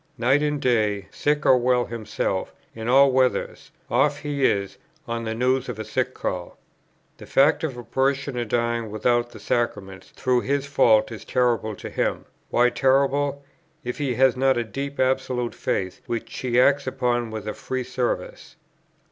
Night and day, sick or well himself, in all weathers, off he is, on the news of a sick call. The fact of a parishioner dying without the Sacraments through his fault is terrible to him; why terrible, if he has not a deep absolute faith, which he acts upon with a free service?